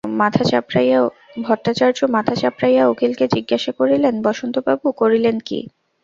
ভট্টাচার্য মাথা চাপড়াইয়া উকিলকে জিজ্ঞাসা করিলেন, বসন্তবাবু, করিলেন কী।